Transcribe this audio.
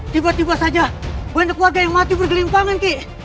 tiba tiba saja banyak warga yang mati bergelimpangan ki